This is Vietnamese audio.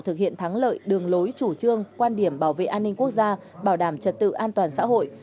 thực hiện thắng lợi đường lối chủ trương quan điểm bảo vệ an ninh quốc gia bảo đảm trật tự an toàn xã hội